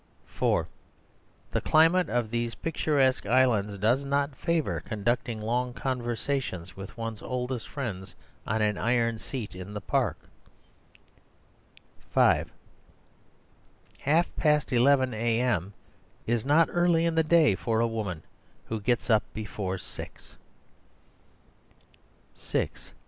(4) The climate of these picturesque islands does not favour conducting long conversations with one's oldest friends on an iron seat in the park. (5) Halfpast eleven a.m. is not early in the day for a woman who gets up before six.